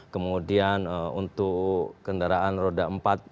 kemudian untuk kendaraan roda empat